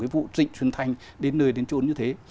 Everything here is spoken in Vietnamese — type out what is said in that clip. vụ dịch truyền thanh đến nơi đến trốn như thế